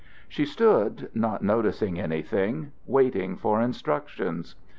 She stood, not noticing anything, waiting for instructions.